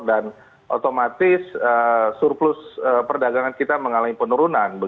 dan otomatis surplus perdagangan kita mengalami penurunan